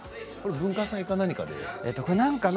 文化祭か何か？